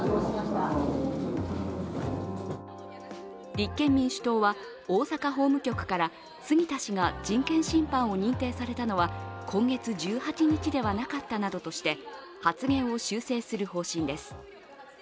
立憲民主党は、大阪法務局から杉田氏が人権侵犯を認定されたのは今月１８日ではなかったなどとして発言を修正する方針です。